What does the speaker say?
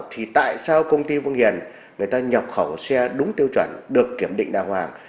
thì tại sao công ty vương hiền nhập khẩu xe đúng tiêu chuẩn được kiểm định đàng hoàng